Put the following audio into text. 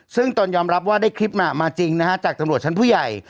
ซึ่งตนยอมรับว่าได้คลิปมาจริงนะฮะจากตำรวจชั้นผู้ใหญ่